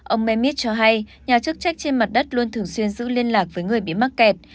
ông memith cho hay nhà chức trách trên mặt đất luôn thường xuyên giữ liên lạc với người bị mắc kẹt